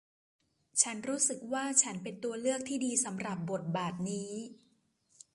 ฉันรู้สึกว่าฉันเป็นตัวเลือกที่ดีสำหรับบทบาทนี้